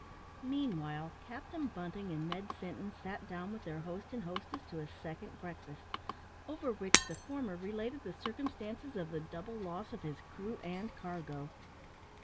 Meanwhile Captain Bunting and Ned Sinton sat down with their host and hostess to a second breakfast, over which the former related the circumstances of the double loss of his crew and cargo.